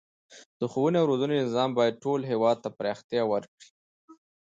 د ښوونې او روزنې نظام باید ټول هیواد ته پراختیا ورکړي.